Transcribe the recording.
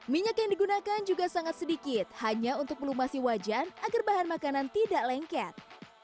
minyak yang digunakan juga sangat sedikit hanya untuk melumasi wajan agar bahan makanan tidak lengket